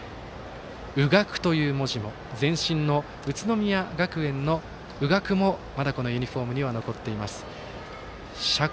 「Ｕｇａｋｕ」という文字も前身の宇都宮学園のＵｇａｋｕもまだこのユニフォームには残っています。